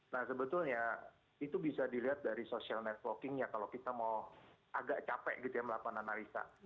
nah sebetulnya itu bisa dilihat dari social networkingnya kalau kita mau agak capek gitu ya melakukan analisa